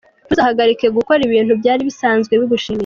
Ntuzahagarike gukora ibintu byari bisanzwe bigushimisha.